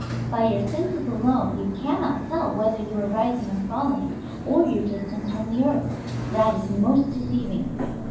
By your senses alone you cannot tell whether you are rising or falling, or your distance from the earth. That is most deceiving.